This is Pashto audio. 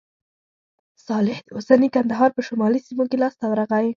صالح د اوسني کندهار په شمالي سیمو کې لاسته ورغی.